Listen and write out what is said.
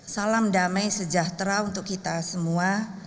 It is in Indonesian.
salam damai sejahtera untuk kita semua